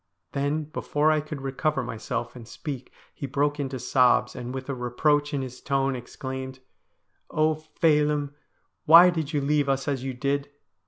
Then before I could recover myself and speak he broke into sobs, and with a reproach in his tone exclaimed :' Oh, Phelim, why did you leave us as you did